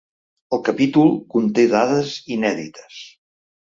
El capítol conté dades inèdites.